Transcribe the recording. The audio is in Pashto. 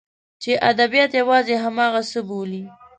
چې ادبیات یوازې همغه څه بولي.